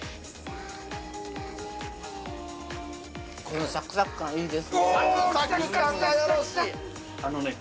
◆このサクサク感、いいですね。